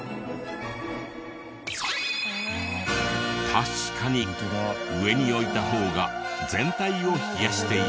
確かに上に置いた方が全体を冷やしていた。